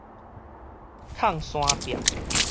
控山壁